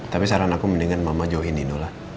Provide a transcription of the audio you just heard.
tapi saran aku mendingan mama jauhin nino lah